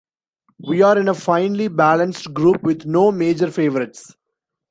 We're in a finely balanced group with no major favourites.